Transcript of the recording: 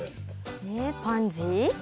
えパンジー？